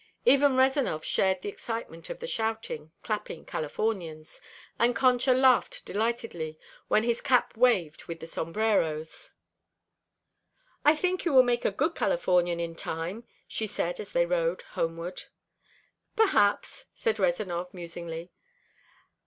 Even Rezanov shared the excitement of the shouting, clapping Californians, and Concha laughed delightedly when his cap waved with the sombreros. "I think you will make a good Californian in time," she said as they rode homeward. "Perhaps," said Rezanov musingly.